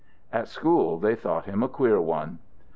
At school they thought him a queer one.